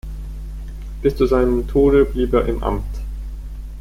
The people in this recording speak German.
Bis zu seinem Tode blieb er im Amt.